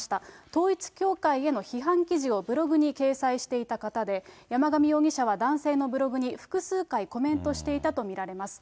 統一教会への批判記事をブログに掲載していた方で、山上容疑者は男性のブログに、複数回コメントしていたと見られます。